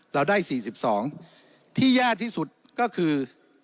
เราได้สี่สิบสองที่แย่ที่สุดก็คือ